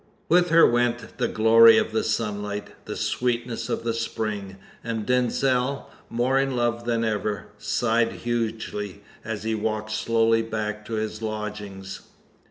With her went the glory of the sunlight, the sweetness of the spring; and Denzil, more in love than ever, sighed hugely as he walked slowly back to his lodgings.